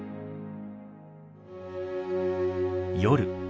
夜。